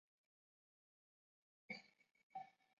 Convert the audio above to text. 图的覆盖是一些顶点。